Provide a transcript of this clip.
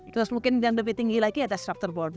terus mungkin yang lebih tinggi lagi ada structor border